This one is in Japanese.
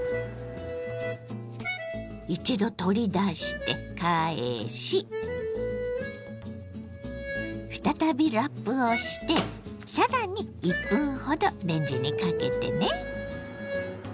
一度取り出して返し再びラップをして更に１分ほどレンジにかけてね。